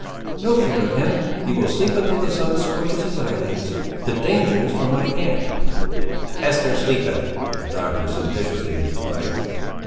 "No fear of him; he will sleep until the sun scorches his eyelids. The danger is from my aunt." "Esther sleepeth!" the Doctor sententiously replied.